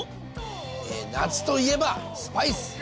夏といえばスパイス！